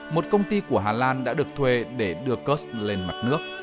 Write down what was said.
một công ty của hà lan đã được thuê để đưa kursk lên mặt nước